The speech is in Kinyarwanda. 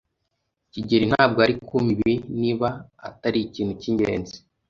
kigeli ntabwo yari kumpa ibi niba atari ikintu cyingenzi.